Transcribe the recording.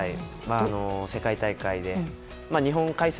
世界大会で、日本開催